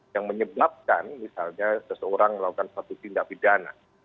yang menyebabkan misalnya seseorang melakukan suatu tindak pidana